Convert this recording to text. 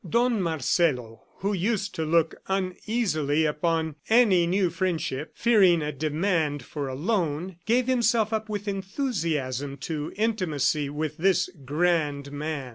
Don Marcelo who used to look uneasily upon any new friendship, fearing a demand for a loan, gave himself up with enthusiasm to intimacy with this "grand man."